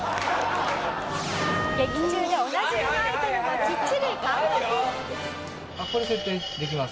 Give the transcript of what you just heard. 劇中でおなじみのアイテムもきっちり完コピ。